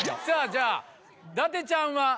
じゃあ伊達ちゃんは？